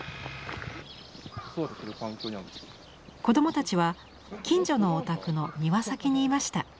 子どもたちは近所のお宅の庭先にいました。